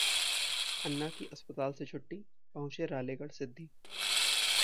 अन्ना की अस्पताल से छुट्टी, पहुंचे रालेगण सिद्धी